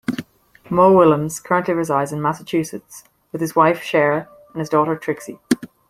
Mo Willems currently resides in Massachusetts with his wife, Cher, and his daughter, Trixie.